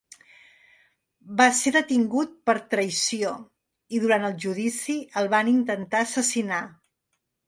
Va ser detingut per traïció i durant el judici el van intentar assassinar.